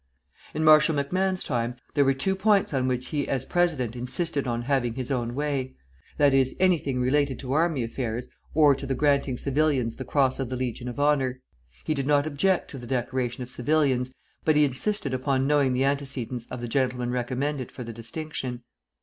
In Marshal MacMahon's time there were two points on which he as president insisted on having his own way; that is, anything relating to army affairs, or to the granting civilians the cross of the Legion of Honor. He did not object to the decoration of civilians, but he insisted upon knowing the antecedents of the gentlemen recommended for the distinction.